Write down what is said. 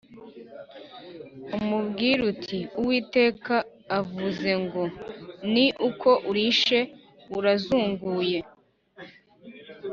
umubwire uti ‘Uwiteka aravuze ngo: Ni uko urishe urazunguye?’